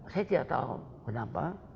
saya tidak tahu kenapa